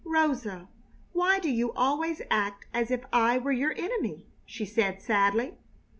"Rosa, why do you always act as if I were your enemy?" she said, sadly.